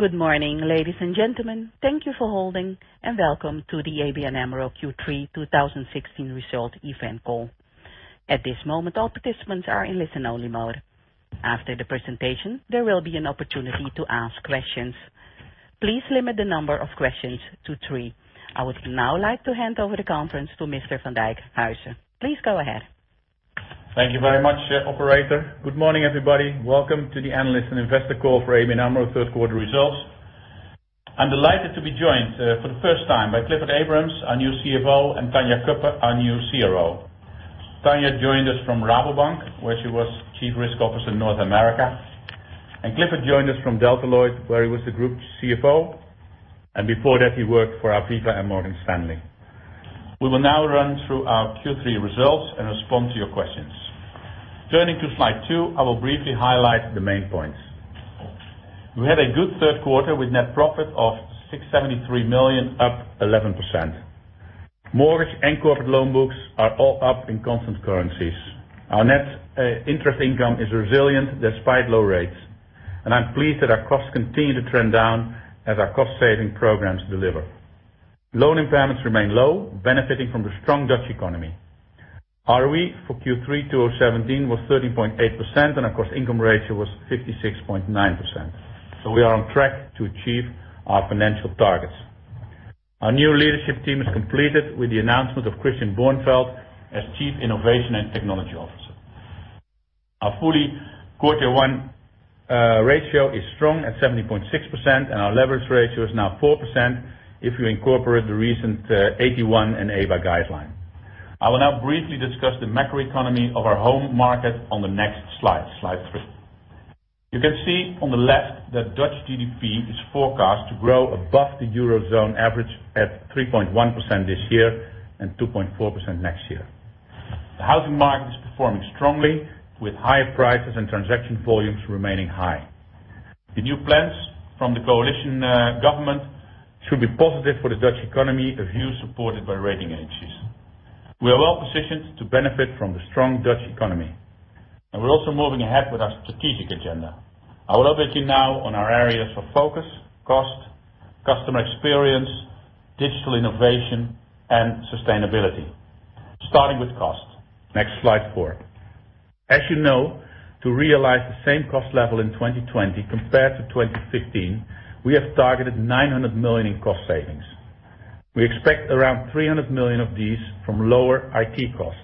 Good morning, ladies and gentlemen. Thank you for holding, and welcome to the ABN AMRO [Q3 2016] Result event call. At this moment, all participants are in listen-only mode. After the presentation, there will be an opportunity to ask questions. Please limit the number of questions to three. I would now like to hand over the conference to Mr. Van Dijkhuizen. Please go ahead. Thank you very much, operator. Good morning, everybody. Welcome to the analyst and investor call for ABN AMRO third quarter results. I'm delighted to be joined for the first time by Clifford Abrahams, our new CFO, and Tanja Cuppen, our new CRO. Tanja joined us from Rabobank, where she was Chief Risk Officer in North America, and Clifford joined us from Deloitte, where he was the group CFO, and before that, he worked for Aviva and Morgan Stanley. We will now run through our Q3 results and respond to your questions. Turning to slide two, I will briefly highlight the main points. We had a good third quarter with net profit of 673 million, up 11%. Mortgage and corporate loan books are all up in constant currencies. Our net interest income is resilient despite low rates. I'm pleased that our costs continue to trend down as our cost-saving programs deliver. Loan impairments remain low, benefiting from the strong Dutch economy. ROE for Q3 2017 was 13.8%, and our cost income ratio was 56.9%. We are on track to achieve our financial targets. Our new leadership team is completed with the announcement of Christian Bornfeld as Chief Innovation and Technology Officer. Our fully CET1 ratio is strong at 17.6%, and our leverage ratio is now 4% if you incorporate the recent AT1 and EBA guideline. I will now briefly discuss the macroeconomy of our home market on the next slide three. You can see on the left that Dutch GDP is forecast to grow above the Eurozone average at 3.1% this year and 2.4% next year. The housing market is performing strongly, with higher prices and transaction volumes remaining high. The new plans from the coalition government should be positive for the Dutch economy, a view supported by rating agencies. We are well-positioned to benefit from the strong Dutch economy. We're also moving ahead with our strategic agenda. I will update you now on our areas for focus, cost, customer experience, digital innovation, and sustainability. Starting with cost. Next, slide four. As you know, to realize the same cost level in 2020 compared to 2015, we have targeted 900 million in cost savings. We expect around 300 million of these from lower IT costs.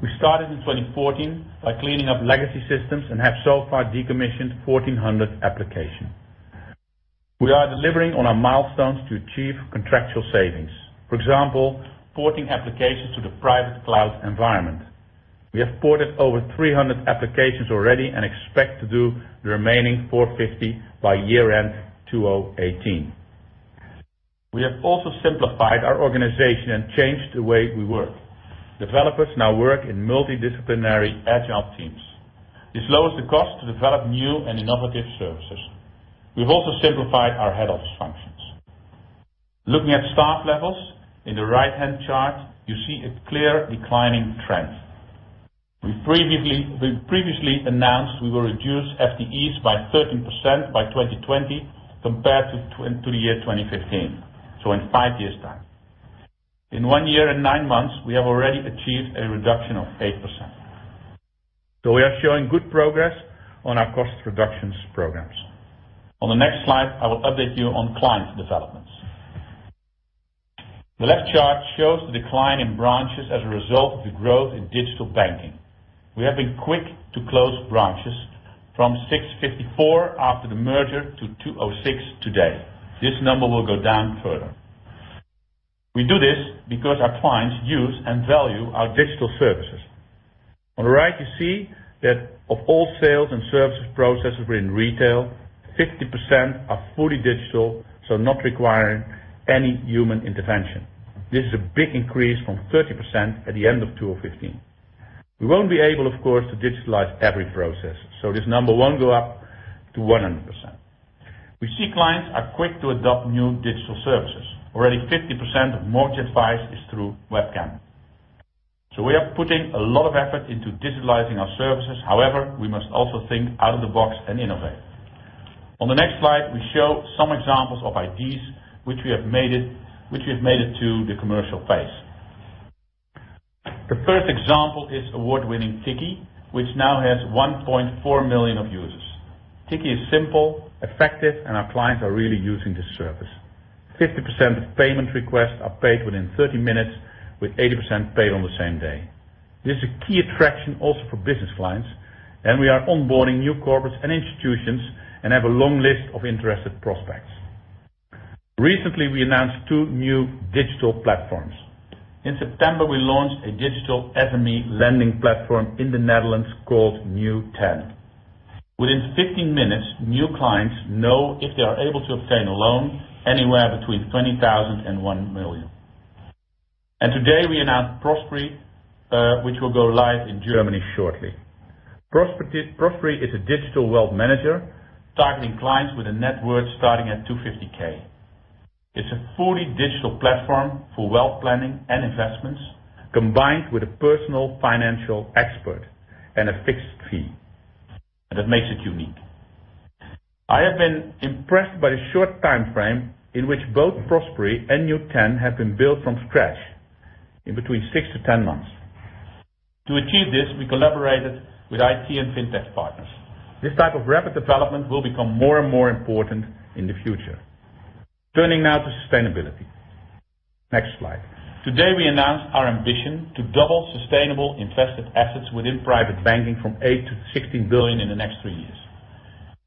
We started in 2014 by cleaning up legacy systems and have so far decommissioned 1,400 applications. We are delivering on our milestones to achieve contractual savings. For example, porting applications to the private cloud environment. We have ported over 300 applications already and expect to do the remaining 450 by year-end 2018. We have also simplified our organization and changed the way we work. Developers now work in multidisciplinary agile teams. This lowers the cost to develop new and innovative services. We have also simplified our head office functions. Looking at staff levels, in the right-hand chart, you see a clear declining trend. We previously announced we will reduce FTEs by 13% by 2020 compared to the year 2015, so in five years' time. In one year and nine months, we have already achieved a reduction of 8%. We are showing good progress on our cost reductions programs. On the next slide, I will update you on client developments. The left chart shows the decline in branches as a result of the growth in digital banking. We have been quick to close branches from 654 after the merger to 206 today. This number will go down further. We do this because our clients use and value our digital services. On the right, you see that of all sales and services processes within retail, 50% are fully digital, so not requiring any human intervention. This is a big increase from 30% at the end of 2015. We will not be able, of course, to digitalize every process, so this number will not go up to 100%. We see clients are quick to adopt new digital services. Already 50% of mortgage advice is through webcam. We are putting a lot of effort into digitalizing our services. However, we must also think out of the box and innovate. On the next slide, we show some examples of ideas which we have made it to the commercial phase. The first example is award-winning Tikkie, which now has 1.4 million of users. Tikkie is simple, effective, and our clients are really using this service. 50% of payment requests are paid within 30 minutes, with 80% paid on the same day. This is a key attraction also for business clients, and we are onboarding new corporates and institutions and have a long list of interested prospects. Recently, we announced two new digital platforms. In September, we launched a digital SME lending platform in the Netherlands called New10. Within 15 minutes, new clients know if they are able to obtain a loan anywhere between 20,000 and 1 million. Today we announced Prospery, which will go live in Germany shortly. Prospery is a digital wealth manager targeting clients with a net worth starting at 250K. It is a fully digital platform for wealth planning and investments, combined with a personal financial expert and a fixed fee. That makes it unique. I have been impressed by the short timeframe in which both Prospery and New10 have been built from scratch, in between 6 to 10 months. To achieve this, we collaborated with IT and Fintech partners. This type of rapid development will become more and more important in the future. Turning now to sustainability. Next slide. Today, we announce our ambition to double sustainable invested assets within private banking from 8 billion-16 billion in the next three years.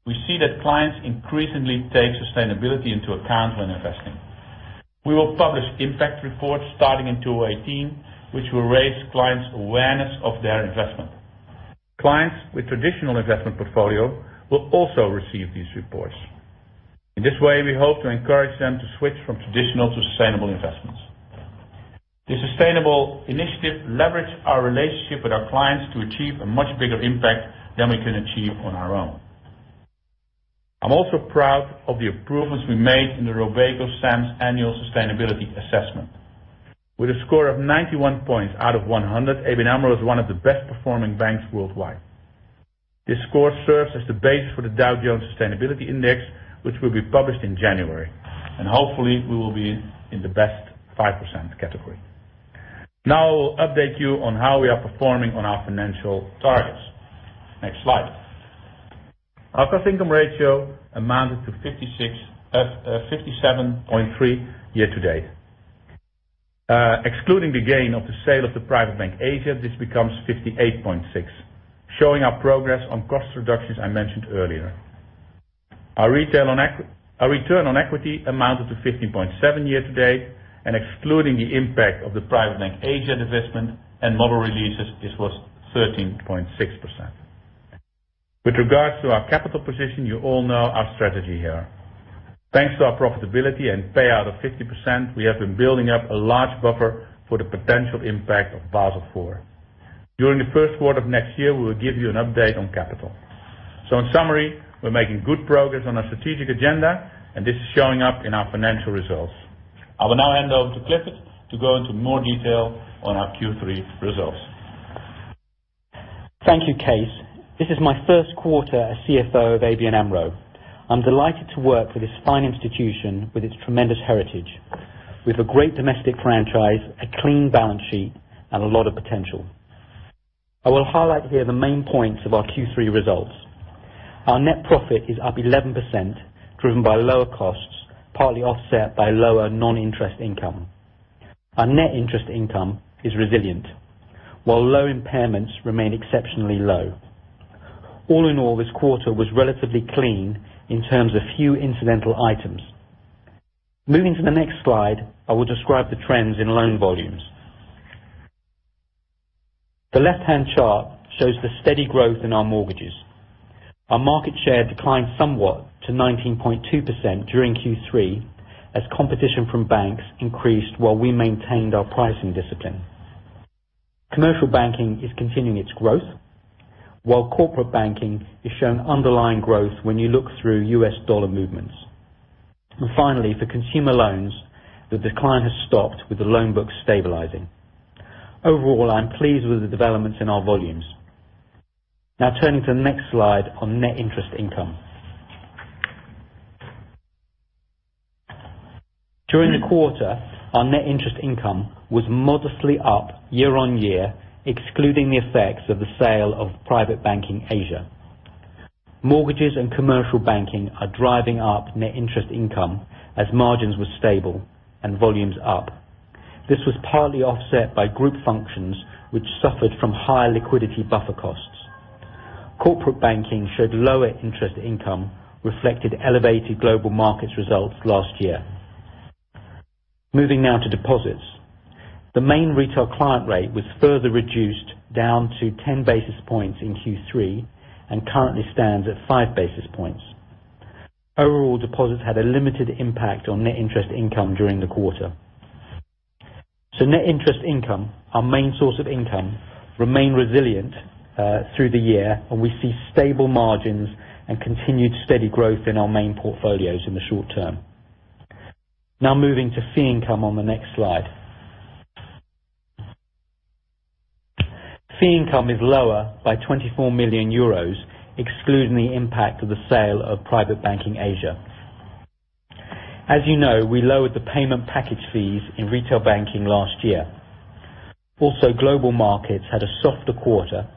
We see that clients increasingly take sustainability into account when investing. We will publish impact reports starting in 2018, which will raise clients' awareness of their investment. Clients with traditional investment portfolio will also receive these reports. In this way, we hope to encourage them to switch from traditional to sustainable investments. This sustainable initiative leverage our relationship with our clients to achieve a much bigger impact than we can achieve on our own. I'm also proud of the improvements we made in the RobecoSAM's annual sustainability assessment. With a score of 91 points out of 100, ABN AMRO is one of the best performing banks worldwide. This score serves as the base for the Dow Jones Sustainability Index, which will be published in January, and hopefully we will be in the best 5% category. I will update you on how we are performing on our financial targets. Next slide. Our cost income ratio amounted to 57.3% year to date. Excluding the gain of the sale of the Private Banking Asia, this becomes 58.6%, showing our progress on cost reductions I mentioned earlier. Our return on equity amounted to 15.7% year to date, excluding the impact of the Private Banking Asia divestment and model releases, this was 13.6%. With regards to our capital position, you all know our strategy here. Thanks to our profitability and payout of 50%, we have been building up a large buffer for the potential impact of Basel IV. During the first quarter of next year, we will give you an update on capital. In summary, we're making good progress on our strategic agenda, this is showing up in our financial results. I will now hand over to Clifford to go into more detail on our Q3 results. Thank you, Kees. This is my first quarter as CFO of ABN AMRO. I'm delighted to work for this fine institution with its tremendous heritage, with a great domestic franchise, a clean balance sheet, and a lot of potential. I will highlight here the main points of our Q3 results. Our net profit is up 11%, driven by lower costs, partly offset by lower non-interest income. Our net interest income is resilient, while low impairments remain exceptionally low. All in all, this quarter was relatively clean in terms of few incidental items. Moving to the next slide, I will describe the trends in loan volumes. The left-hand chart shows the steady growth in our mortgages. Our market share declined somewhat to 19.2% during Q3 as competition from banks increased while we maintained our pricing discipline. Commercial banking is continuing its growth, while corporate banking is showing underlying growth when you look through U.S. dollar movements. Finally, for consumer loans, the decline has stopped with the loan book stabilizing. Overall, I'm pleased with the developments in our volumes. Turning to the next slide on net interest income. During the quarter, our net interest income was modestly up year-on-year, excluding the effects of the sale of Private Banking Asia. Mortgages and commercial banking are driving up net interest income as margins were stable and volumes up. This was partly offset by group functions, which suffered from higher liquidity buffer costs. Corporate banking showed lower interest income, reflected elevated global markets results last year. Moving now to deposits. The main retail client rate was further reduced down to 10 basis points in Q3 and currently stands at five basis points. Overall, deposits had a limited impact on net interest income during the quarter. Net interest income, our main source of income, remained resilient through the year, and we see stable margins and continued steady growth in our main portfolios in the short term. Moving to fee income on the next slide. Fee income is lower by 24 million euros, excluding the impact of the sale of Private Banking Asia. As you know, we lowered the payment package fees in retail banking last year. Global markets had a softer quarter,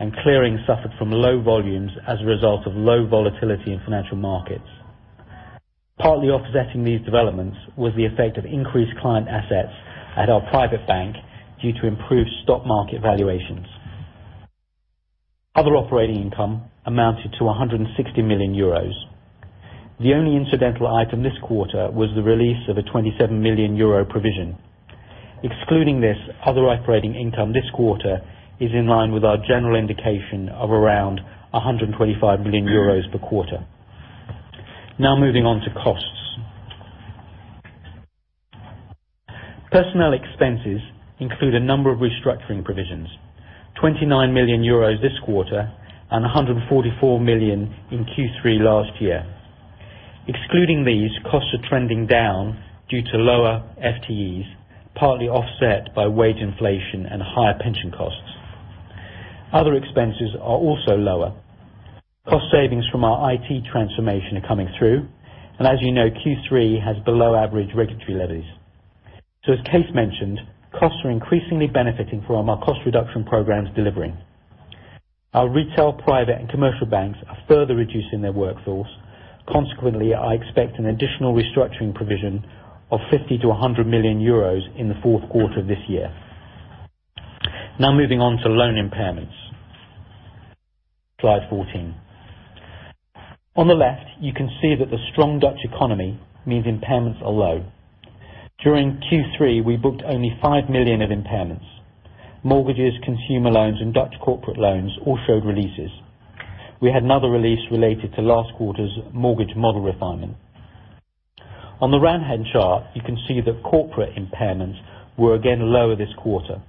and clearing suffered from low volumes as a result of low volatility in financial markets. Partly offsetting these developments was the effect of increased client assets at our private bank due to improved stock market valuations. Other operating income amounted to 160 million euros. The only incidental item this quarter was the release of a 27 million euro provision. Excluding this, other operating income this quarter is in line with our general indication of around 125 million euros per quarter. Moving on to costs. Personnel expenses include a number of restructuring provisions, 29 million euros this quarter and 144 million in Q3 last year. Excluding these, costs are trending down due to lower FTEs, partly offset by wage inflation and higher pension costs. Other expenses are also lower. Cost savings from our IT transformation are coming through, and as you know, Q3 has below average regulatory levies. As Kees mentioned, costs are increasingly benefiting from our cost reduction programs delivering. Our retail, private, and commercial banks are further reducing their workforce. Consequently, I expect an additional restructuring provision of 50 million to 100 million euros in the fourth quarter of this year. Moving on to loan impairments. Slide 14. On the left, you can see that the strong Dutch economy means impairments are low. During Q3, we booked only 5 million of impairments. Mortgages, consumer loans, and Dutch corporate loans all showed releases. We had another release related to last quarter's mortgage model refinement. On the right-hand chart, you can see that corporate impairments were again lower this quarter.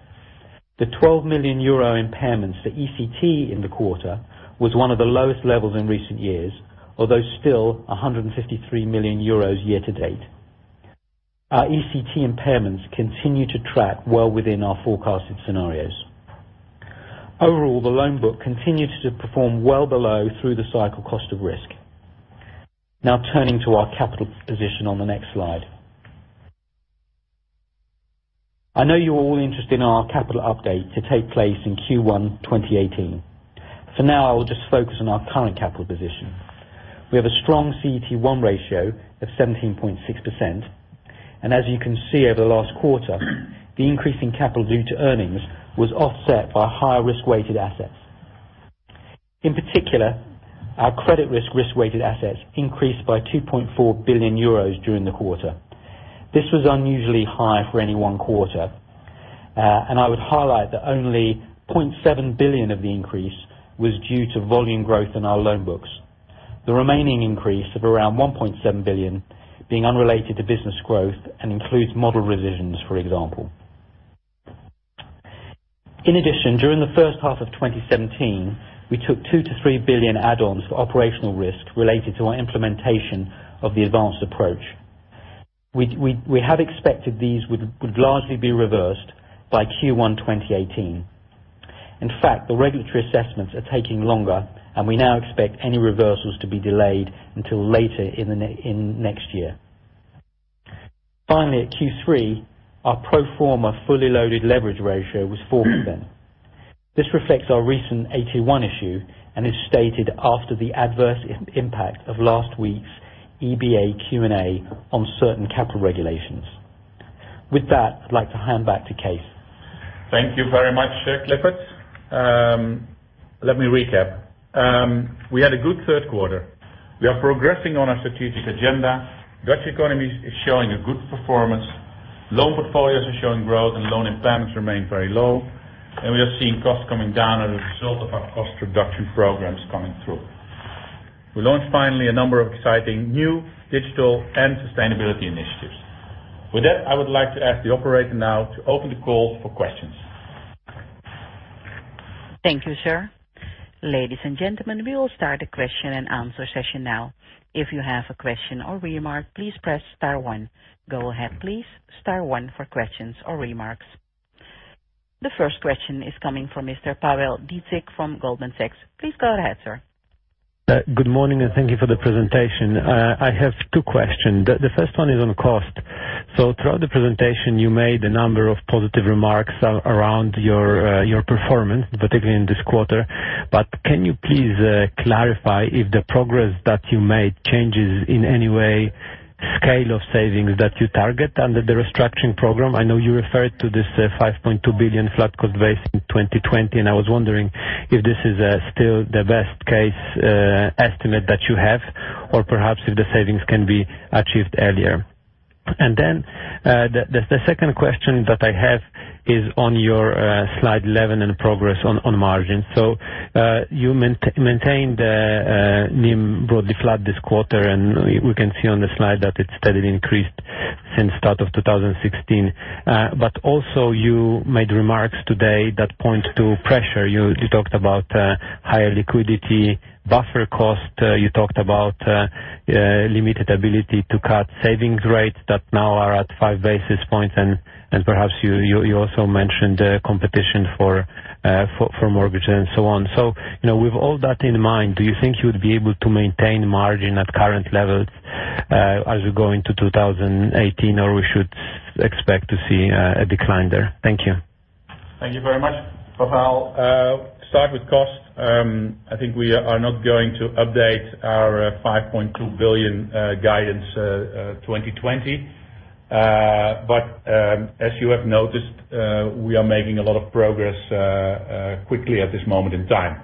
The 12 million euro impairments for ECT in the quarter was one of the lowest levels in recent years, although still 153 million euros year to date. Our ECT impairments continue to track well within our forecasted scenarios. Overall, the loan book continues to perform well below through the cycle cost of risk. Turning to our capital position on the next slide. I know you're all interested in our capital update to take place in Q1 2018. I will just focus on our current capital position. We have a strong CET1 ratio of 17.6%, and as you can see over the last quarter, the increase in capital due to earnings was offset by higher risk-weighted assets. In particular, our credit risk risk-weighted assets increased by 2.4 billion euros during the quarter. This was unusually high for any one quarter. I would highlight that only 0.7 billion of the increase was due to volume growth in our loan books. The remaining increase of around 1.7 billion being unrelated to business growth and includes model revisions, for example. In addition, during the first half of 2017, we took 2 billion to 3 billion add-ons for operational risk related to our implementation of the advanced approach. We had expected these would largely be reversed by Q1 2018. The regulatory assessments are taking longer, and we now expect any reversals to be delayed until later in next year. Finally, at Q3, our pro forma fully loaded leverage ratio was 4%. This reflects our recent AT1 issue and is stated after the adverse impact of last week's EBA Q&A on certain capital regulations. With that, I'd like to hand back to Kees. Thank you very much, Clifford. Let me recap. We had a good third quarter. We are progressing on our strategic agenda. Dutch economy is showing a good performance. Loan portfolios are showing growth, and loan impairments remain very low. We are seeing costs coming down as a result of our cost reduction programs coming through. We launched finally a number of exciting new digital and sustainability initiatives. With that, I would like to ask the operator now to open the call for questions. Thank you, sir. Ladies and gentlemen, we will start the question and answer session now. If you have a question or remark, please press star one. Go ahead, please. Star one for questions or remarks. The first question is coming from Mr. Pawel Dziedzic from Goldman Sachs. Please go ahead, sir. Good morning, and thank you for the presentation. I have 2 questions. The first one is on cost. Can you please clarify if the progress that you made changes in any way scale of savings that you target under the restructuring program? I know you referred to this 5.2 billion flat cost base in 2020, and I was wondering if this is still the best case estimate that you have or perhaps if the savings can be achieved earlier. The second question that I have is on your slide 11 and progress on margin. You maintained NIM broadly flat this quarter, and we can see on the slide that it steadily increased since start of 2016. You also made remarks today that point to pressure. You talked about higher liquidity buffer cost. You talked about limited ability to cut savings rates that now are at five basis points. Perhaps you also mentioned competition for mortgage and so on. With all that in mind, do you think you would be able to maintain margin at current levels as we go into 2018, or we should expect to see a decline there? Thank you. Thank you very much, Pavel. Start with cost. I think we are not going to update our 5.2 billion guidance 2020. As you have noticed, we are making a lot of progress quickly at this moment in time.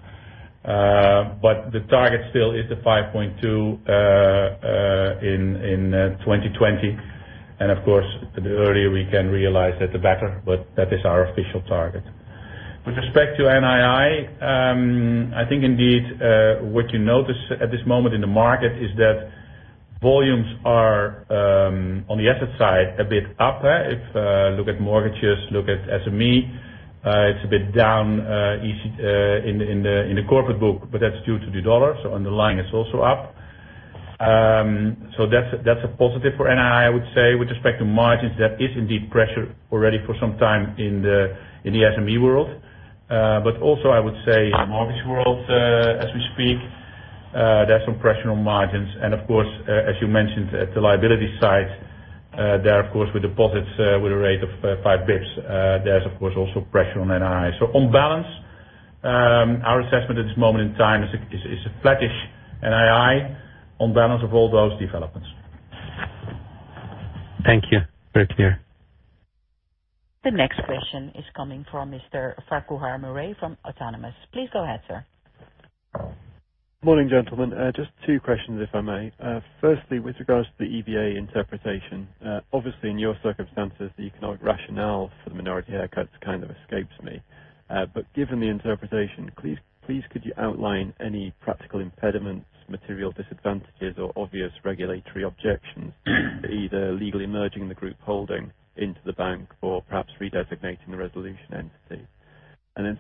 The target still is the EUR 5.2 in 2020. Of course, the earlier we can realize that, the better. That is our official target. With respect to NII, I think indeed what you notice at this moment in the market is that volumes are on the asset side, a bit up. If look at mortgages, look at SME, it's a bit down in the corporate book, but that's due to the USD. Underlying is also up. That's a positive for NII, I would say. With respect to margins, there is indeed pressure already for some time in the SME world. Also I would say mortgage world as we speak, there's some pressure on margins. Of course, as you mentioned, at the liability side, there of course, with deposits with a rate of five basis points, there's of course also pressure on NII. On balance, our assessment at this moment in time is a flattish NII on balance of all those developments. Thank you. Very clear. The next question is coming from Mr. Farquhar Murray from Autonomous. Please go ahead, sir. Morning, gentlemen. Just two questions, if I may. Firstly, with regards to the EBA interpretation, obviously in your circumstances, the economic rationale for the minority haircuts kind of escapes me. Given the interpretation, please could you outline any practical impediments, material disadvantages, or obvious regulatory objections to either legally merging the group holding into the bank or perhaps redesignating the resolution entity?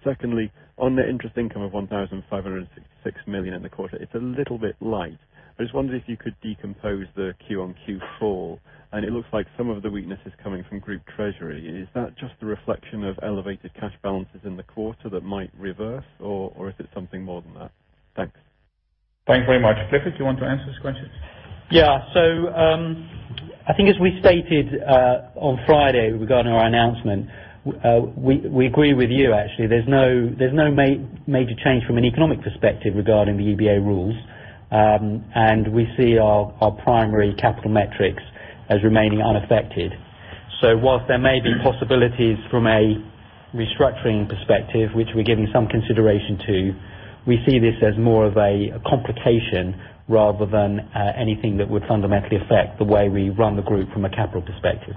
Secondly, on the interest income of 1,566 million in the quarter, it's a little bit light. I just wondered if you could decompose the Q on Q4, and it looks like some of the weakness is coming from group treasury. Is that just a reflection of elevated cash balances in the quarter that might reverse, or is it something more than that? Thanks. Thanks very much. Clifford, you want to answer this question? Yeah. I think as we stated on Friday regarding our announcement, we agree with you, actually. There's no major change from an economic perspective regarding the EBA rules. We see our primary capital metrics as remaining unaffected. Whilst there may be possibilities from a restructuring perspective, which we're giving some consideration to, we see this as more of a complication rather than anything that would fundamentally affect the way we run the group from a capital perspective.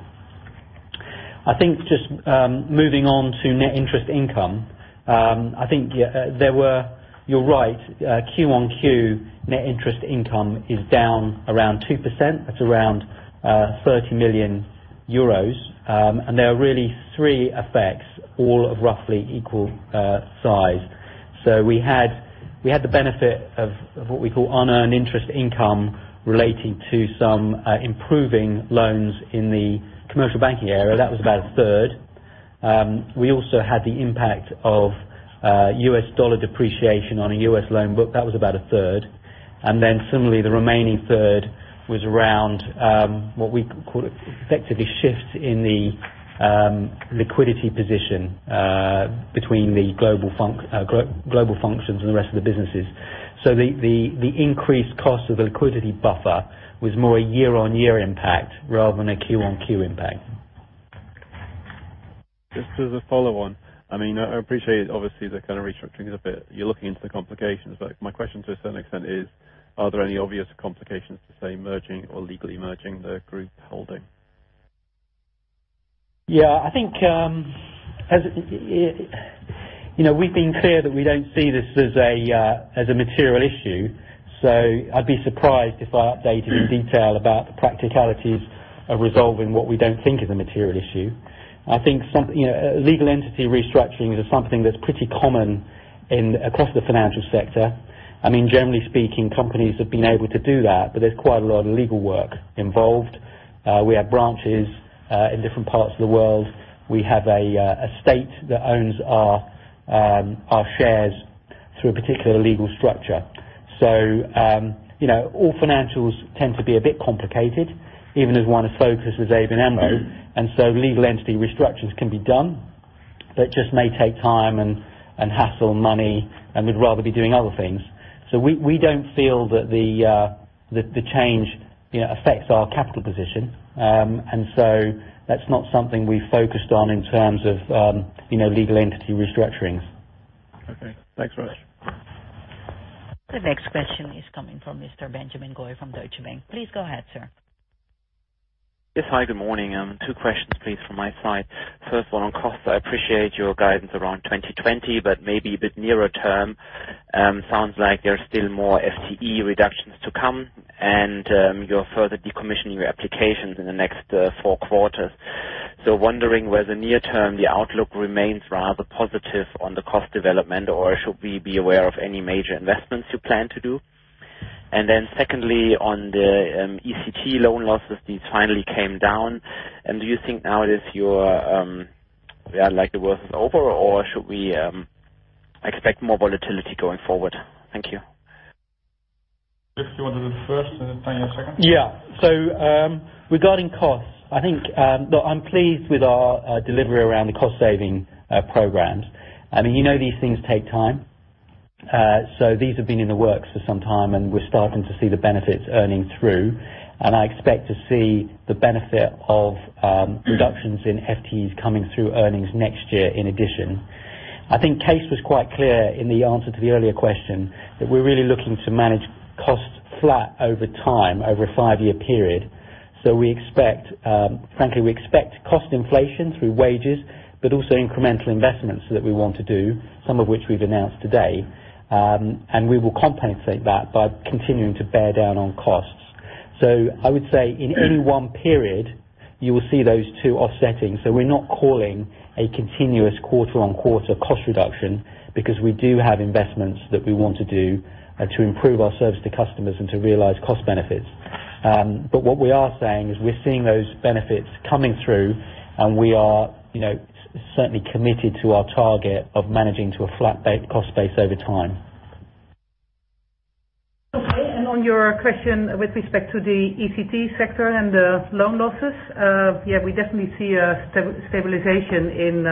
I think just moving on to net interest income, I think you're right, Q on Q net interest income is down around 2%. That's around 30 million euros. There are really three effects, all of roughly equal size. We had the benefit of what we call unearned interest income relating to some improving loans in the commercial banking area. That was about a third. We also had the impact of U.S. dollar depreciation on a U.S. loan book. That was about a third. Similarly, the remaining third was around what we call effectively shifts in the liquidity position between the global functions and the rest of the businesses. The increased cost of the liquidity buffer was more a year-on-year impact rather than a Q on Q impact. Just as a follow-on. I appreciate, obviously, the kind of restructuring of it. You're looking into the complications, but my question to a certain extent is, are there any obvious complications to, say, merging or legally merging the group holding? I think we've been clear that we don't see this as a material issue, I'd be surprised if I updated in detail about the practicalities of resolving what we don't think is a material issue. I think legal entity restructurings is something that's pretty common across the financial sector. Generally speaking, companies have been able to do that, there's quite a lot of legal work involved. We have branches in different parts of the world. We have a state that owns our shares through a particular legal structure. All financials tend to be a bit complicated, even as one is focused with ABN AMRO, legal entity restructures can be done, it just may take time and hassle, money, and we'd rather be doing other things. We don't feel that the change affects our capital position. That's not something we focused on in terms of legal entity restructurings. Okay, thanks very much. The next question is coming from Mr. Benjamin Goy from Deutsche Bank. Please go ahead, sir. Yes. Hi, good morning. Two questions please from my side. First of all on costs. I appreciate your guidance around 2020, but maybe a bit nearer term. Sounds like there's still more FTE reductions to come, and you're further decommissioning your applications in the next four quarters. Wondering whether near term the outlook remains rather positive on the cost development, or should we be aware of any major investments you plan to do? Secondly, on the ECT loan losses, these finally came down. Do you think now it is your, like the worst is over, or should we expect more volatility going forward? Thank you. If you want to do first, then second. Regarding costs, I think that I'm pleased with our delivery around the cost saving programs. You know these things take time. These have been in the works for some time, and we're starting to see the benefits earning through. I expect to see the benefit of reductions in FTEs coming through earnings next year in addition. I think Kees was quite clear in the answer to the earlier question that we're really looking to manage costs flat over time over a five-year period. Frankly, we expect cost inflation through wages, but also incremental investments that we want to do, some of which we've announced today. We will compensate that by continuing to bear down on costs. I would say in any one period, you will see those two offsetting. We're not calling a continuous quarter-on-quarter cost reduction because we do have investments that we want to do to improve our service to customers and to realize cost benefits. What we are saying is we're seeing those benefits coming through and we are certainly committed to our target of managing to a flat cost base over time. On your question with respect to the ECT sector and the loan losses, we definitely see a stabilization in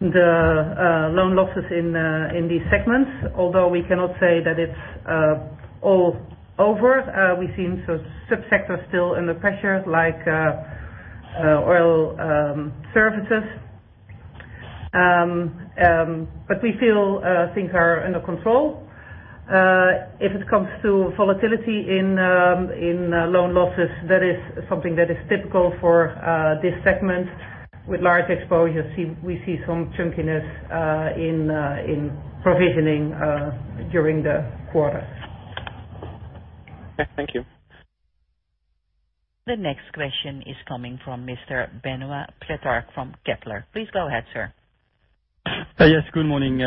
the loan losses in these segments, although we cannot say that it's all over. We seem to subsector still under pressure like oil services. We feel things are under control. If it comes to volatility in loan losses, that is something that is typical for this segment with large exposure. We see some chunkiness in provisioning during the quarter. Thank you. The next question is coming from Mr. Benoît Pétrarque from Kepler. Please go ahead, sir. Yes. Good morning,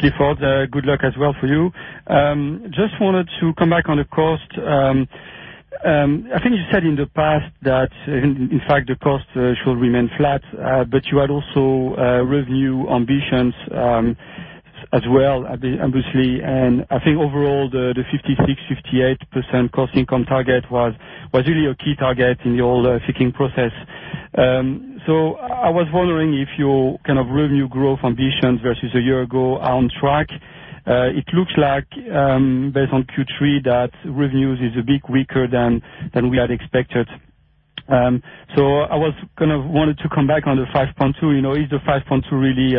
Clifford. Good luck as well for you. Just wanted to come back on the cost. I think you said in the past that in fact the cost should remain flat, but you had also revenue ambitions as well, obviously. I think overall the 56%, 58% cost income target was really a key target in the old seeking process. I was wondering if your kind of revenue growth ambitions versus a year ago are on track. It looks like, based on Q3, that revenues is a bit weaker than we had expected. I wanted to come back on the 5.2. Is the 5.2 really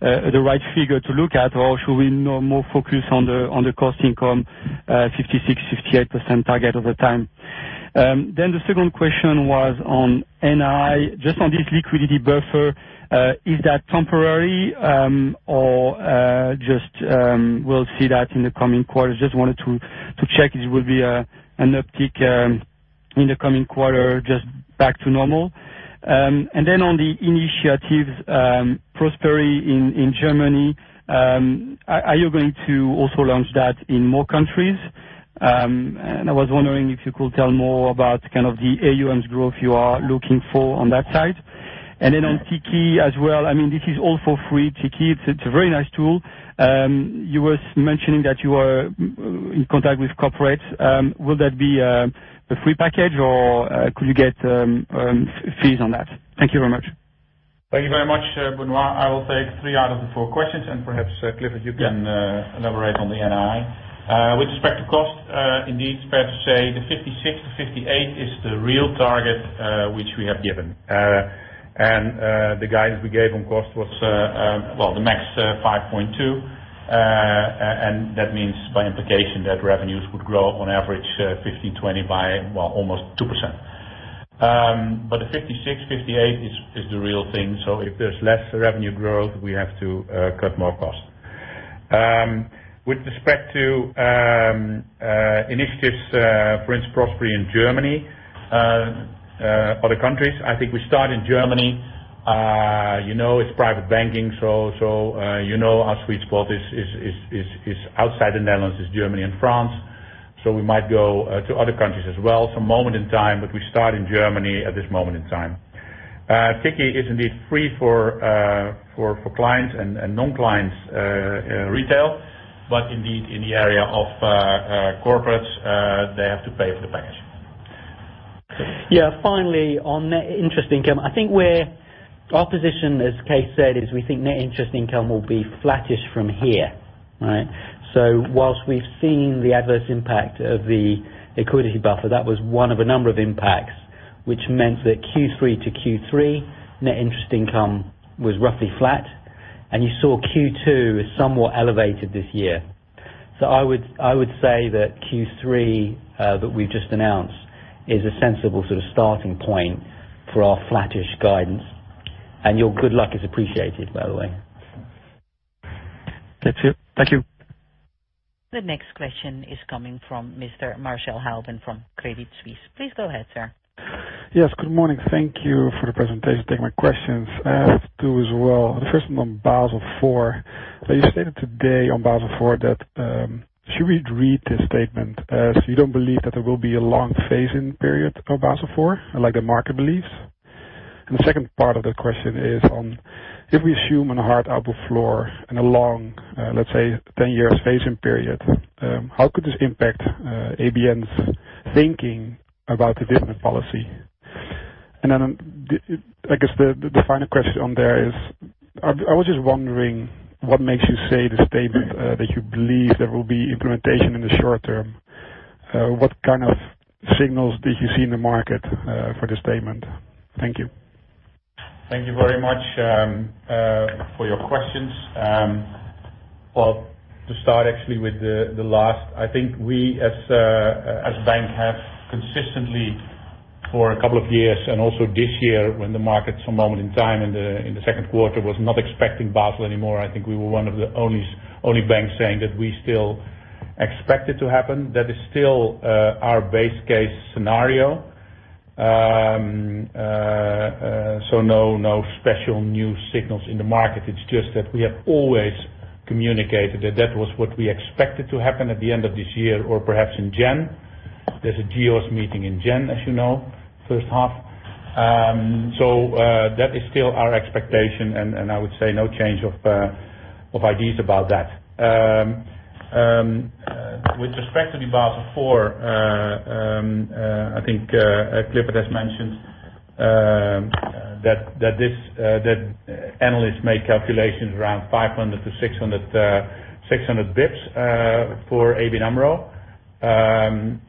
the right figure to look at or should we more focus on the cost income 56%, 58% target over time? The second question was on NII, just on this liquidity buffer, is that temporary or just we'll see that in the coming quarters? Just wanted to check if it will be an uptick in the coming quarter, just back to normal. On the initiatives Prospery in Germany, are you going to also launch that in more countries? I was wondering if you could tell more about kind of the AUMs growth you are looking for on that side. On Tikkie as well, this is all for free, Tikkie. It's a very nice tool. You were mentioning that you are in contact with corporates. Will that be a free package or could you get fees on that? Thank you very much. Thank you very much, Benoît. I will take three out of the four questions and perhaps Clifford, you can elaborate on the NII. With respect to cost, indeed, fair to say the 56 to 58 is the real target which we have given. The guidance we gave on cost was, well, the max 5.2. That means by implication that revenues would grow on average 15, 20 by, well, almost 2%. But the 56, 58 is the real thing. If there's less revenue growth, we have to cut more costs. With respect to initiatives, for instance, Prospery in Germany, other countries, I think we start in Germany. You know its private banking, you know our sweet spot is outside the Netherlands, is Germany and France. We might go to other countries as well at some moment in time, but we start in Germany at this moment in time. Tikkie is indeed free for clients and non-clients retail. Indeed in the area of corporates, they have to pay for the package. Finally, on net interest income. I think our position, as Kees said, is we think net interest income will be flattish from here, right? Whilst we've seen the adverse impact of the liquidity buffer, that was one of a number of impacts, which meant that Q3 to Q3 net interest income was roughly flat. You saw Q2 is somewhat elevated this year. I would say that Q3 that we've just announced is a sensible sort of starting point for our flattish guidance. Your good luck is appreciated, by the way. That's it. Thank you. The next question is coming from Mr. Marcel Houben from Credit Suisse. Please go ahead, sir. Yes, good morning. Thank you for the presentation. Taking my questions. I have two as well. The first one on Basel IV. You stated today on Basel IV should we read this statement as you don't believe that there will be a long phase-in period of Basel IV like the market believes? The second part of the question is on if we assume an hard output floor and a long, let's say 10 years phase-in period, how could this impact ABN's thinking about the dividend policy? I guess the final question on there is, I was just wondering what makes you say the statement that you believe there will be implementation in the short term. What kind of signals did you see in the market for this statement? Thank you. Thank you very much for your questions. To start actually with the last, I think we as a bank have consistently for a couple of years and also this year when the market at some moment in time in the second quarter was not expecting Basel IV anymore, I think we were one of the only banks saying that we still expect it to happen. That is still our base case scenario. No special new signals in the market. It's just that we have always communicated that that was what we expected to happen at the end of this year or perhaps in January. There's a GHOS meeting in January, as you know, first half. That is still our expectation, and I would say no change of ideas about that. With respect to the Basel IV, I think Clifford has mentioned that analysts make calculations around 500-600 basis points for ABN AMRO,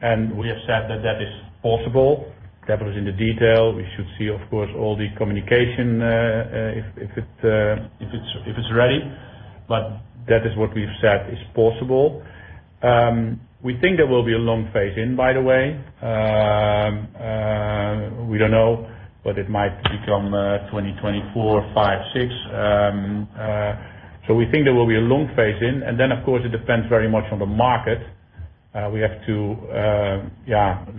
and we have said that that is possible. Capital is in the detail. We should see, of course, all the communication if it's ready. That is what we've said is possible. We think there will be a long phase-in, by the way. We don't know, but it might become 2024, 2025, 2026. We think there will be a long phase-in, and then of course it depends very much on the market. We have to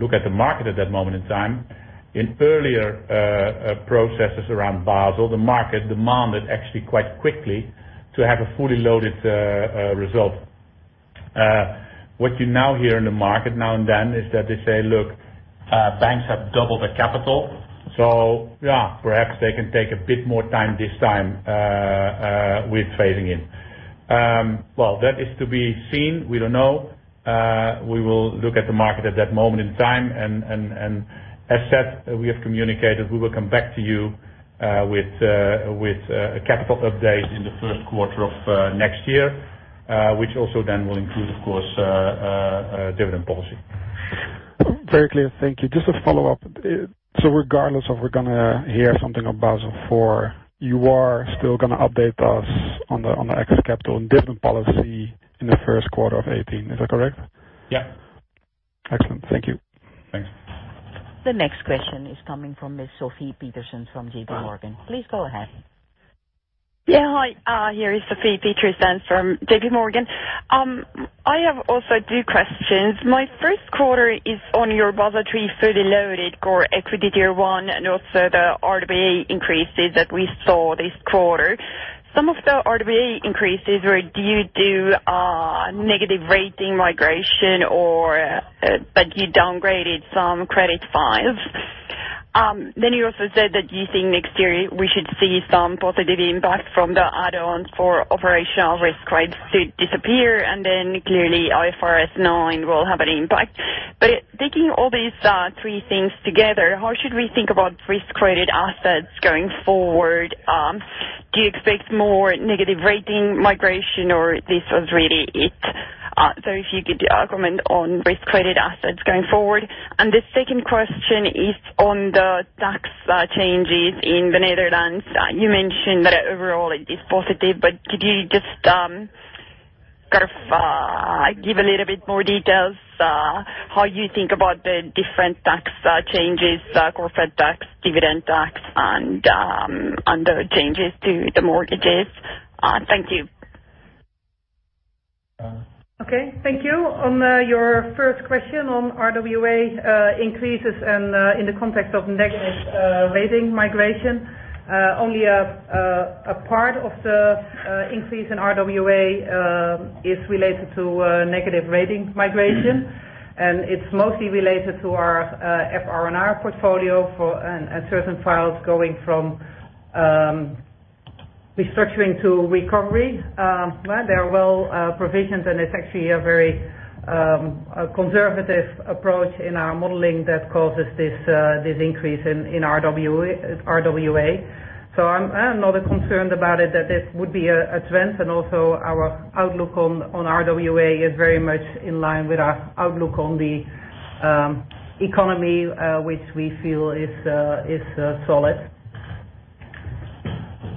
look at the market at that moment in time. In earlier processes around Basel IV, the market demanded actually quite quickly to have a fully loaded result. What you now hear in the market now and then is that they say, "Look, banks have doubled their capital, so perhaps they can take a bit more time this time with phasing in." That is to be seen. We don't know. We will look at the market at that moment in time, as said, we have communicated we will come back to you with a capital update in the first quarter of next year, which also then will include, of course, dividend policy. Very clear. Thank you. Just a follow-up. Regardless of we're going to hear something on Basel IV, you are still going to update us on the excess capital and dividend policy in the first quarter of 2018. Is that correct? Yeah. Excellent. Thank you. Thanks. The next question is coming from Miss Sofie Peterzens from J.P. Morgan. Please go ahead. Hi, here is Sofie Peterzens from J.P. Morgan. I have also two questions. My first question is on your Basel III fully loaded core equity tier 1 and also the RWA increases that we saw this quarter. Some of the RWA increases were due to negative rating migration, you downgraded some credit files. You also said that you think next year we should see some positive impact from the add-ons for operational risk weights to disappear, clearly IFRS 9 will have an impact. Taking all these three things together, how should we think about risk-weighted assets going forward? Do you expect more negative rating migration, or this was really it? If you could comment on risk-weighted assets going forward. The second question is on the tax changes in the Netherlands. Could you just give a little bit more details how you think about the different tax changes, corporate tax, dividend tax, and the changes to the mortgages. Thank you. Okay, thank you. On your first question on RWA increases and in the context of negative rating migration, only a part of the increase in RWA is related to negative rating migration, and it's mostly related to our FRN portfolio for certain files going from restructuring to recovery, where they are well provisioned, and it's actually a very conservative approach in our modeling that causes this increase in RWA. I'm not concerned about it that this would be a trend. Also our outlook on RWA is very much in line with our outlook on the economy, which we feel is solid.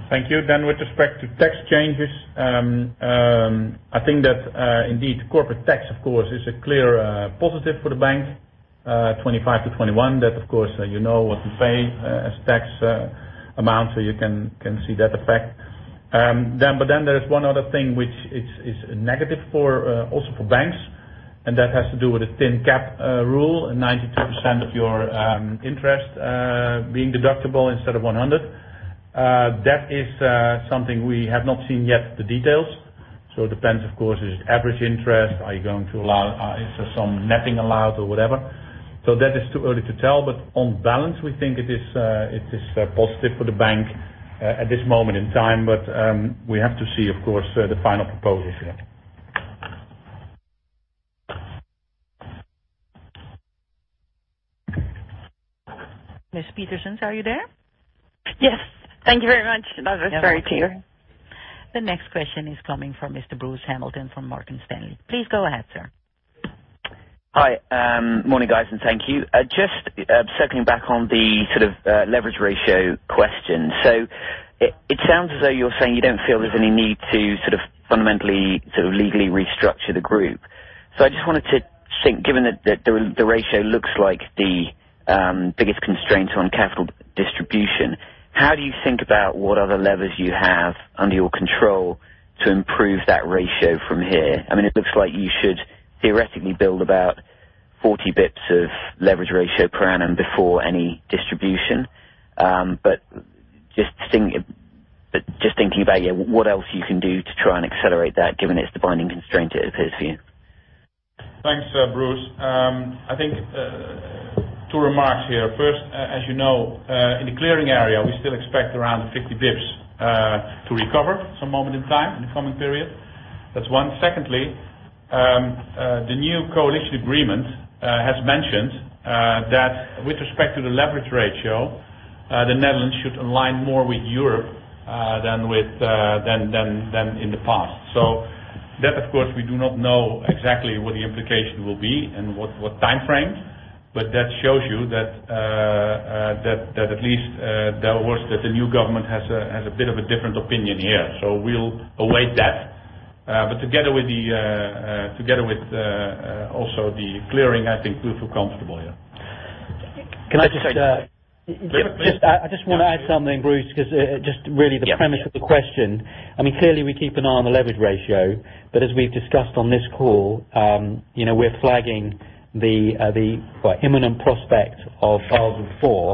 Thank you. With respect to tax changes, I think that indeed corporate tax, of course, is a clear positive for the bank, 25%-21%. That of course, you know what we pay as tax amount, so you can see that effect. There is one other thing which is negative also for banks, and that has to do with the thin cap rule and 92% of your interest being deductible instead of 100%. That is something we have not seen yet the details. It depends, of course, is it average interest? Is some netting allowed or whatever? That is too early to tell. On balance, we think it is positive for the bank at this moment in time. We have to see, of course, the final proposals yet. Miss Peterzens, are you there? Yes. Thank you very much. That was very clear. The next question is coming from Mr. Bruce Hamilton from Morgan Stanley. Please go ahead, sir. Hi. Morning, guys, and thank you. Just circling back on the leverage ratio question. It sounds as though you're saying you don't feel there's any need to fundamentally, legally restructure the group. I just wanted to think, given that the ratio looks like the biggest constraint on capital distribution, how do you think about what other levers you have under your control to improve that ratio from here? It looks like you should theoretically build about 40 basis points of leverage ratio per annum before any distribution. Just thinking about you, what else you can do to try and accelerate that, given it's the binding constraint it appears for you. Thanks, Bruce. I think two remarks here. First, as you know, in the clearing area, we still expect around 50 basis points to recover some moment in time in the coming period. That's one. Secondly, the new coalition agreement has mentioned that with respect to the leverage ratio, the Netherlands should align more with Europe than in the past. That, of course, we do not know exactly what the implication will be and what timeframe, but that shows you that at least there was that the new government has a bit of a different opinion here. We'll await that. Together with also the clearing, I think we feel comfortable, yeah. Can I just- Please. I just want to add something, Bruce, because just really the premise of the question, clearly we keep an eye on the leverage ratio, but as we've discussed on this call, we're flagging the imminent prospect of Basel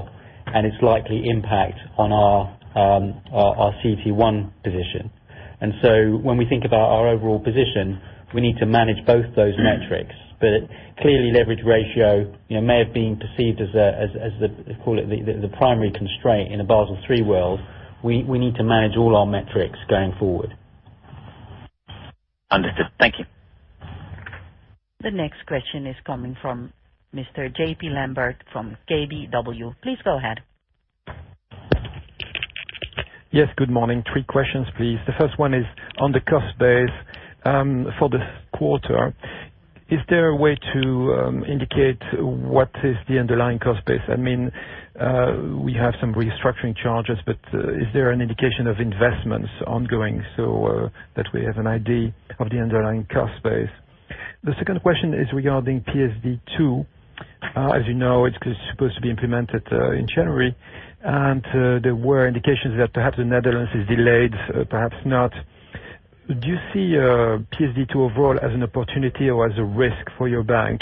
IV and its likely impact on our CET1 position. So when we think about our overall position, we need to manage both those metrics. Clearly, leverage ratio may have been perceived as the, call it, the primary constraint in a Basel III world. We need to manage all our metrics going forward. Understood. Thank you. The next question is coming from Mr. Jean-Pierre Lambert from KBW. Please go ahead. Yes, good morning. Three questions, please. The first one is on the cost base for this quarter. Is there a way to indicate what is the underlying cost base? We have some restructuring charges, is there an indication of investments ongoing so that we have an idea of the underlying cost base? The second question is regarding PSD2. As you know, it's supposed to be implemented in January, there were indications that perhaps the Netherlands is delayed, perhaps not. Do you see PSD2 overall as an opportunity or as a risk for your bank,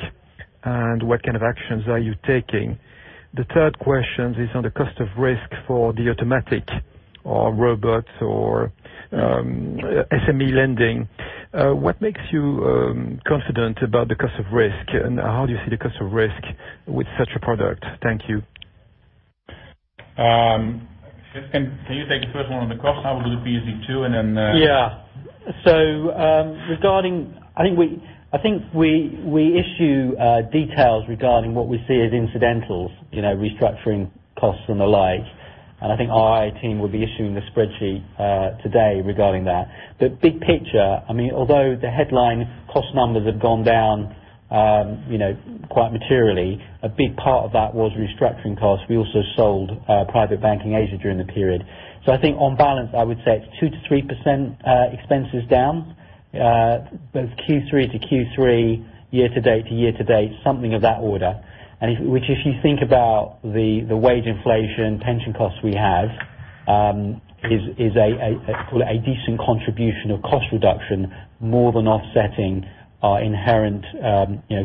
what kind of actions are you taking? The third question is on the cost of risk for the automatic or robots or SME lending. What makes you confident about the cost of risk, how do you see the cost of risk with such a product? Thank you. Can you take the first one on the cost? I will do PSD2. I think we issue details regarding what we see as incidentals, restructuring costs and the like. I think our team will be issuing a spreadsheet today regarding that. Big picture, although the headline cost numbers have gone down quite materially, a big part of that was restructuring costs. We also sold Private Banking Asia during the period. I think on balance, I would say it's 2%-3% expenses down, both Q3 to Q3, year to date to year to date, something of that order. Which if you think about the wage inflation, pension costs we have, is a, call it, a decent contribution of cost reduction, more than offsetting our inherent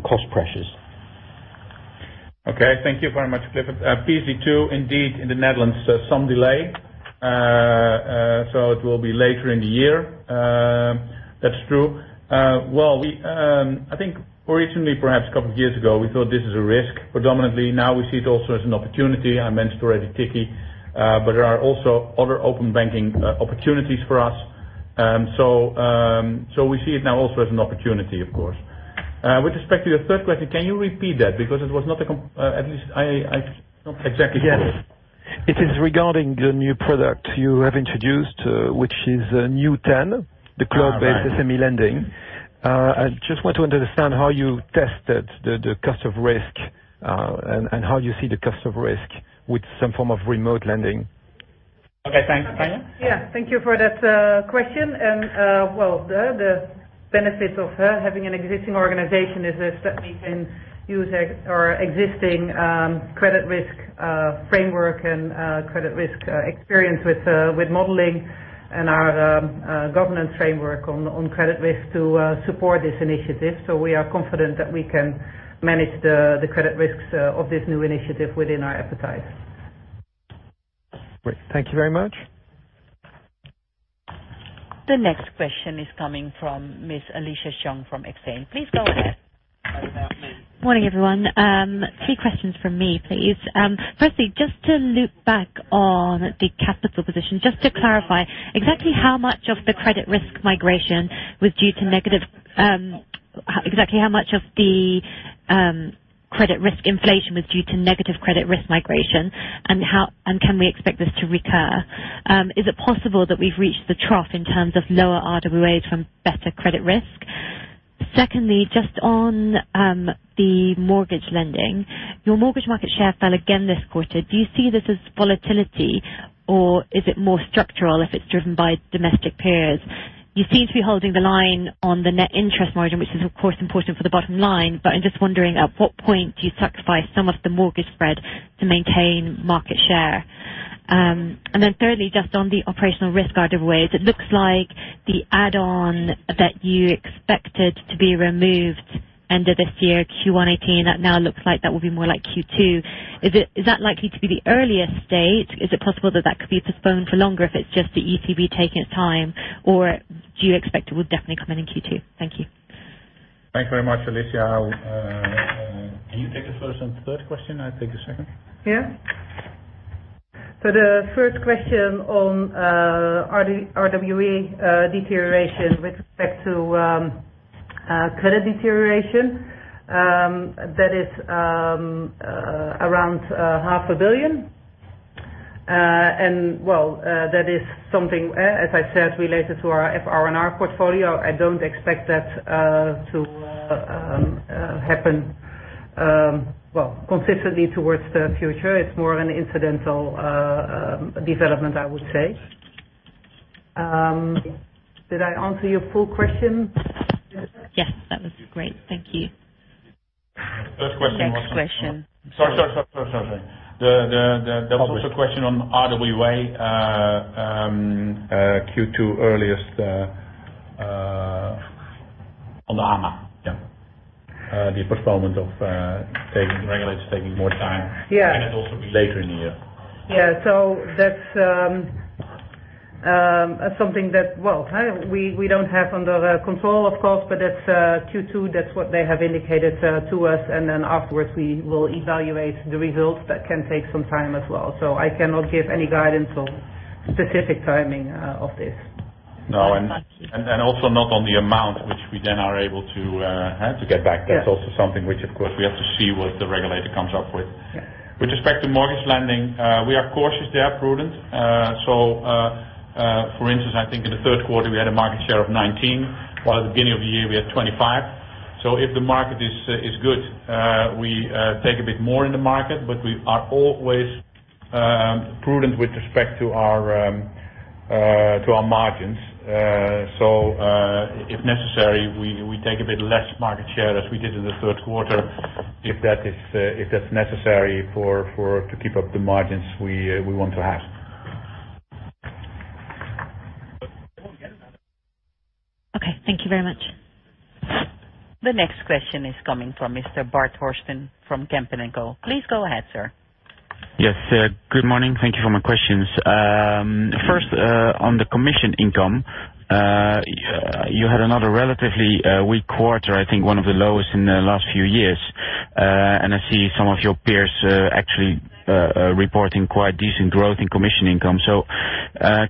cost pressures. Okay. Thank you very much, Clifford. PSD2, indeed, in the Netherlands, some delay. It will be later in the year. That's true. I think originally, perhaps a couple of years ago, we thought this is a risk predominantly. Now we see it also as an opportunity. I mentioned already Tikkie, there are also other open banking opportunities for us. We see it now also as an opportunity, of course. With respect to your third question, can you repeat that? At least I did not exactly follow. Yes. It is regarding the new product you have introduced, which is New10, the cloud-based SME lending. I just want to understand how you tested the cost of risk, and how you see the cost of risk with some form of remote lending. Okay, thanks. Tanja? Yeah. Thank you for that question. Well, the benefit of having an existing organization is that we can use our existing credit risk framework and credit risk experience with modeling and our governance framework on credit risk to support this initiative. We are confident that we can manage the credit risks of this new initiative within our appetite. Great. Thank you very much. The next question is coming from Miss Alicia Chung from Exane. Please go ahead. That is now me. Morning, everyone. Three questions from me, please. Firstly, just to loop back on the capital position, just to clarify, exactly how much of the credit risk migration was due to negative credit risk migration, and can we expect this to recur? Is it possible that we've reached the trough in terms of lower RWAs from better credit risk? Secondly, just on the mortgage lending. Your mortgage market share fell again this quarter. Do you see this as volatility or is it more structural if it's driven by domestic peers? You seem to be holding the line on the net interest margin, which is of course important for the bottom line, but I'm just wondering at what point do you sacrifice some of the mortgage spread to maintain market share. Thirdly, just on the operational risk RWAs, it looks like the add-on that you expected to be removed end of this year, Q1'18, that now looks like that will be more like Q2. Is that likely to be the earliest date? Is it possible that could be postponed for longer if it's just the ECB taking its time, or do you expect it will definitely come in in Q2? Thank you. Thanks very much, Alicia. Can you take the first and third question? I take the second. Yeah. The first question on RWA deterioration with respect to credit deterioration, that is around EUR half a billion. That is something, as I said, related to our FRN portfolio. I don't expect that to happen consistently towards the future. It's more an incidental development, I would say. Did I answer your full question? Yes, that was great. Thank you. First question. Next question. Sorry. There was also a question on RWA, Q2 earliest. On the AMA, yeah. The postponement of regulators taking more time. Yeah. Can also be later in the year. Yeah. That's something that we don't have under control, of course, but that's Q2, that's what they have indicated to us. Afterwards we will evaluate the results, that can take some time as well. I cannot give any guidance on specific timing of this. No. Also not on the amount which we then are able to get back. That's also something which, of course, we have to see what the regulator comes up with. With respect to mortgage lending, we are cautious there, prudent. For instance, I think in the third quarter, we had a market share of 19, while at the beginning of the year we had 25. If the market is good, we take a bit more in the market, but we are always prudent with respect to our margins. If necessary, we take a bit less market share as we did in the third quarter, if that's necessary to keep up the margins we want to have. Okay. Thank you very much. The next question is coming from Mr. Bart Horsten from Kempen & Co. Please go ahead, sir. Yes. Good morning. Thank you for my questions. First, on the commission income. You had another relatively weak quarter, I think one of the lowest in the last few years. I see some of your peers actually reporting quite decent growth in commission income.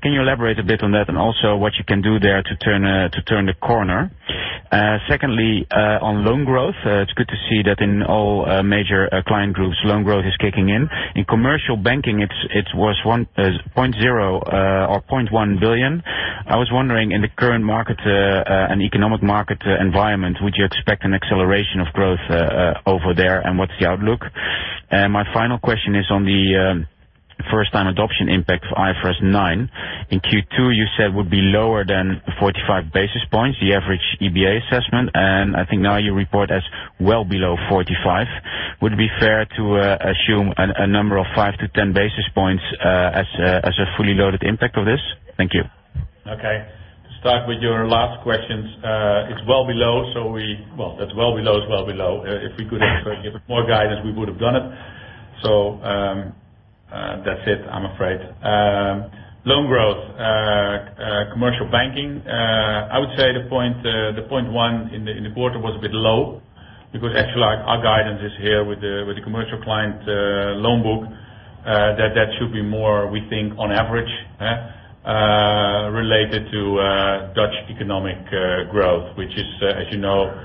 Can you elaborate a bit on that and also what you can do there to turn the corner? Secondly, on loan growth. It is good to see that in all major client groups, loan growth is kicking in. In commercial banking, it was 0.1 billion. I was wondering in the current market, and economic market environment, would you expect an acceleration of growth over there, and what is the outlook? My final question is on the first-time adoption impact of IFRS 9. In Q2, you said would be lower than 45 basis points, the average EBA assessment. I think now you report as well below 45. Would it be fair to assume a number of 5 to 10 basis points as a fully loaded impact of this? Thank you. Okay. Start with your last questions. It is well below. Well below is well below. If we could have given more guidance, we would have done it. That is it, I am afraid. Loan growth, commercial banking. I would say the 0.1% in the quarter was a bit low because actually our guidance is here with the commercial client loan book, that that should be more, we think, on average related to Dutch economic growth, which is, as you know,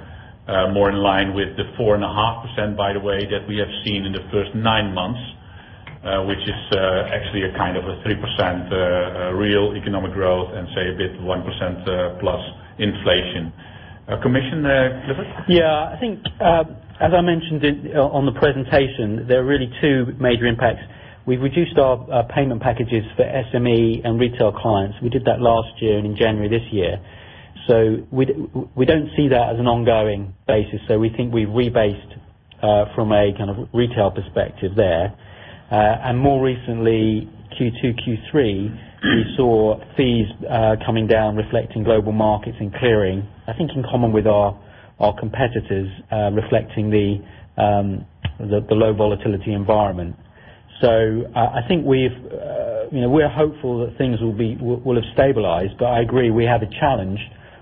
more in line with the 4.5%, by the way, that we have seen in the first nine months, which is actually a kind of a 3% real economic growth and say a bit 1% plus inflation. Commission, Clifford? Yeah. I think, as I mentioned on the presentation, there are really two major impacts. We have reduced our payment packages for SME and retail clients. We did that last year and in January this year. We do not see that as an ongoing basis. We think we have rebased from a retail perspective there. More recently, Q2, Q3, we saw fees coming down reflecting global markets and clearing, I think in common with our competitors, reflecting the low volatility environment. I think we are hopeful that things will have stabilized. I agree, we have a challenge,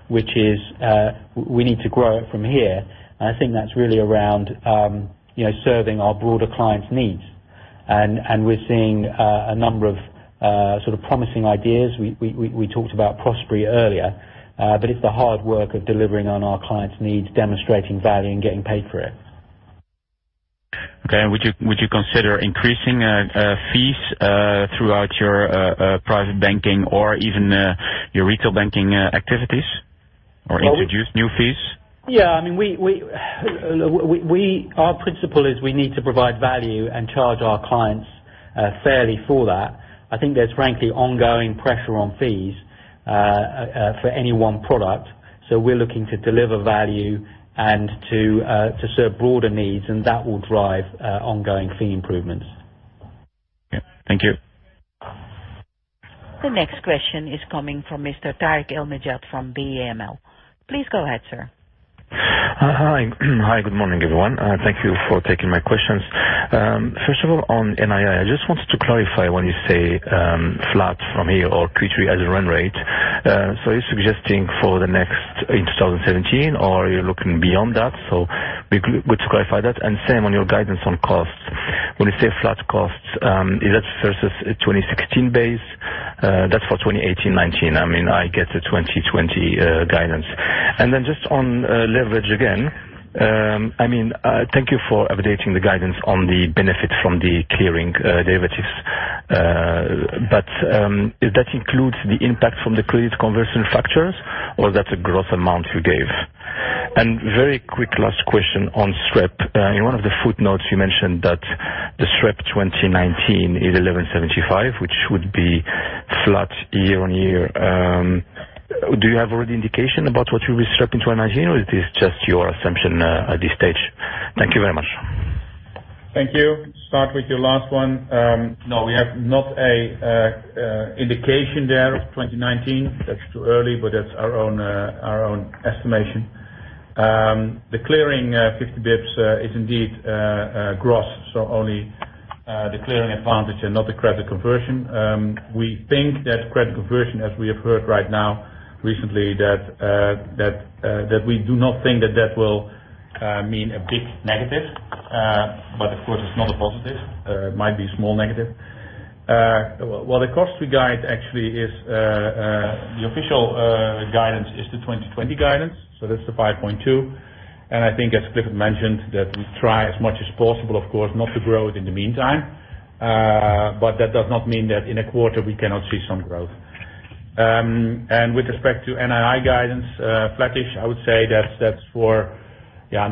which is we need to grow it from here. I think that is really around serving our broader clients' needs. We are seeing a number of promising ideas. We talked about Prospery earlier, but it is the hard work of delivering on our clients' needs, demonstrating value, and getting paid for it. Okay. Would you consider increasing fees throughout your private banking or even your retail banking activities, or introduce new fees? Yeah. Our principle is we need to provide value and charge our clients fairly for that. I think there is frankly ongoing pressure on fees for any one product. We are looking to deliver value and to serve broader needs, that will drive ongoing fee improvements. Yeah. Thank you. The next question is coming from Mr. Tarik El Mejjad from BAML. Please go ahead, sir. Hi. Good morning, everyone. Thank you for taking my questions. First of all, on NII, I just wanted to clarify when you say flat from here or Q3 as a run rate. Are you suggesting for the next in 2017, or are you looking beyond that? Would you clarify that? Same on your guidance on costs. When you say flat costs, is that versus a 2016 base? That's for 2018-2019. I get the 2020 guidance. Just on leverage again. Thank you for updating the guidance on the benefits from the clearing derivatives. If that includes the impact from the credit conversion factors or that's a gross amount you gave. Very quick last question on SREP. In one of the footnotes, you mentioned that the SREP 2019 is 1,175, which would be flat year-on-year. Do you have already indication about what will be SREP in 2019, or it is just your assumption at this stage? Thank you very much. Thank you. Start with your last one. No, we have not a indication there of 2019. That's too early, but that's our own estimation. The clearing 50 basis points is indeed gross, so only the clearing advantage and not the credit conversion. We think that credit conversion, as we have heard right now recently, that we do not think that that will mean a big negative. Of course, it's not a positive. It might be a small negative. What the cost we guide actually is, the official guidance is the 2020 guidance, so that's the 5.2. I think as Clifford mentioned, that we try as much as possible, of course, not to grow it in the meantime. That does not mean that in a quarter we cannot see some growth. With respect to NII guidance, flattish, I would say that's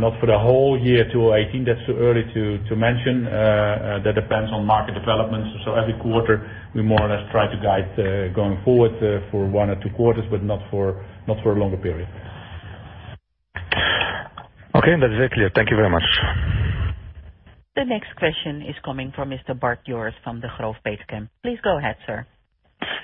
not for the whole year too. I think that's too early to mention. That depends on market developments. Every quarter, we more or less try to guide going forward for one or two quarters, but not for a longer period. That is very clear. Thank you very much. The next question is coming from Mr. Bart Jooris from Degroof Petercam. Please go ahead, sir.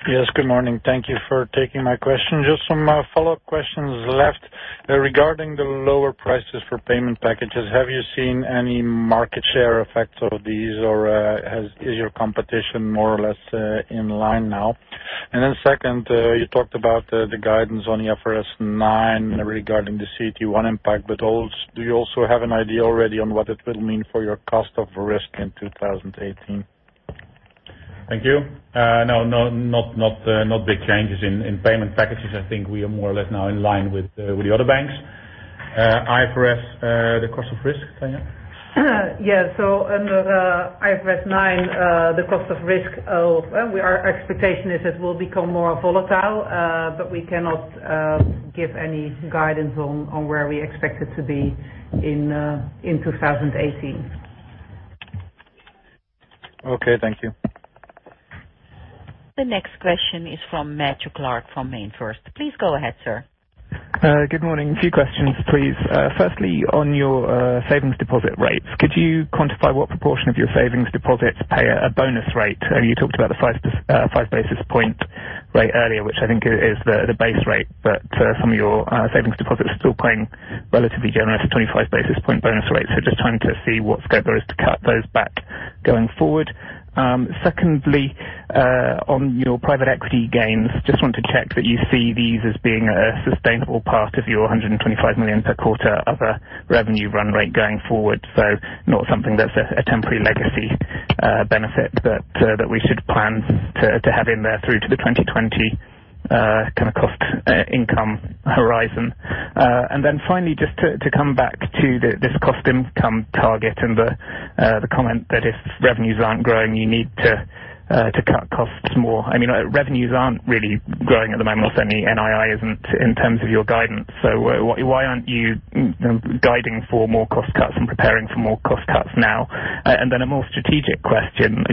Yes, good morning. Thank you for taking my question. Just some follow-up questions left regarding the lower prices for payment packages. Have you seen any market share effects of these, or is your competition more or less in line now? Second, you talked about the guidance on IFRS 9 regarding the CET1 impact, but do you also have an idea already on what it will mean for your cost of risk in 2018? Thank you. No, not big changes in payment packages. I think we are more or less now in line with the other banks. IFRS, the cost of risk. Tanja? Yeah. Under IFRS 9, the cost of risk, our expectation is it will become more volatile, but we cannot give any guidance on where we expect it to be in 2018. Okay, thank you. The next question is from Matthew Clark from Mainfirst. Please go ahead, sir. Good morning. A few questions, please. Firstly, on your savings deposit rates, could you quantify what proportion of your savings deposits pay a bonus rate? You talked about the five basis point rate earlier, which I think is the base rate, but some of your savings deposits are still paying relatively generous 25 basis point bonus rates. Just trying to see what scope there is to cut those back going forward. Secondly, on your private equity gains, just want to check that you see these as being a sustainable part of your 125 million per quarter other revenue run rate going forward, not something that's a temporary legacy benefit that we should plan to have in there through to the 2020 kind of cost income horizon. Finally, just to come back to this cost income target and the comment that if revenues aren't growing, you need to cut costs more. Revenues aren't really growing at the moment. Only NII isn't in terms of your guidance. Why aren't you guiding for more cost cuts and preparing for more cost cuts now? A more strategic question.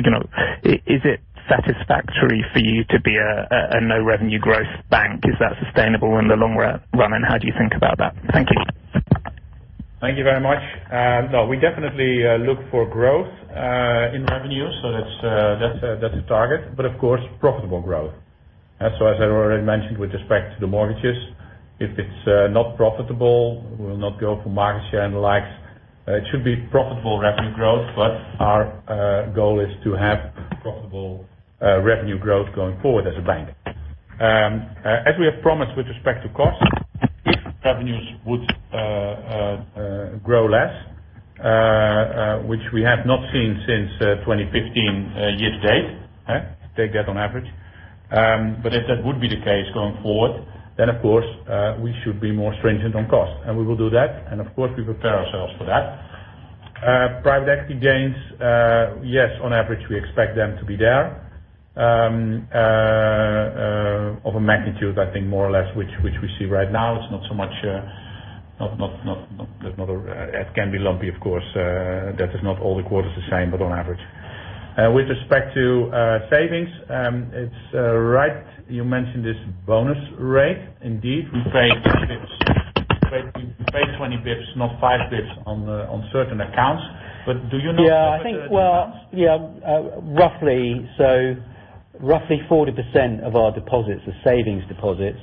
Is it satisfactory for you to be a no revenue growth bank? Is that sustainable in the long run, and how do you think about that? Thank you. Thank you very much. We definitely look for growth in revenue. That's the target. Of course, profitable growth. As I already mentioned with respect to the mortgages, if it's not profitable, we will not go for market share and the likes. It should be profitable revenue growth, our goal is to have profitable revenue growth going forward as a bank. As we have promised with respect to cost, if revenues would grow less, which we have not seen since 2015 year to date. Take that on average. If that would be the case going forward, of course, we should be more stringent on cost. We will do that. Of course, we prepare ourselves for that. Private equity gains, yes, on average, we expect them to be there. Of a magnitude, I think more or less which we see right now. It can be lumpy, of course. That is not all the quarters the same, but on average. With respect to savings, it's right you mentioned this bonus rate. Indeed, we pay 20 basis points, not five basis points on certain accounts. Do you know? Roughly 40% of our deposits are savings deposits,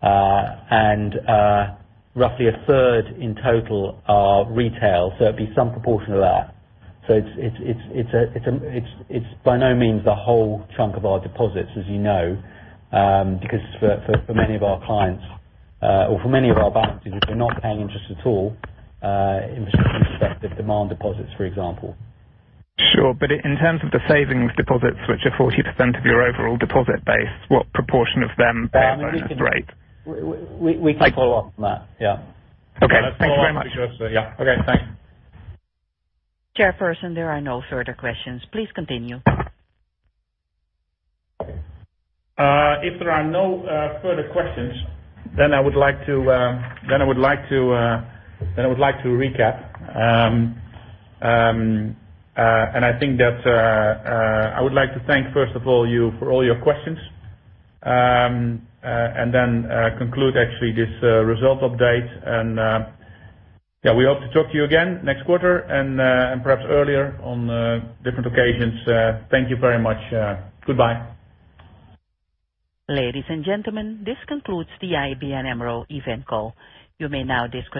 and roughly a third in total are retail, so it'd be some proportion of that. It's by no means the whole chunk of our deposits, as you know, because for many of our balances, we're not paying interest at all in respect of demand deposits, for example. In terms of the savings deposits, which are 40% of your overall deposit base, what proportion of them pay a bonus rate? We can follow up on that. Okay. Thank you very much. Yeah. Okay, thanks. Chairperson, there are no further questions. Please continue. If there are no further questions, then I would like to recap. I would like to thank, first of all, you for all your questions, and then conclude actually this result update. We hope to talk to you again next quarter and perhaps earlier on different occasions. Thank you very much. Goodbye. Ladies and gentlemen, this concludes the ABN AMRO event call. You may now disconnect.